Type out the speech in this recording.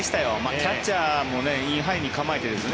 キャッチャーもインハイに構えているんですよね。